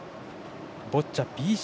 ボッチャＢＣ